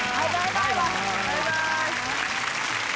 バイバイ！